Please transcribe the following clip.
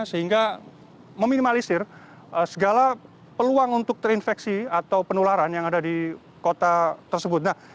sehingga meminimalisir segala peluang untuk terinfeksi atau penularan yang ada di kota tersebut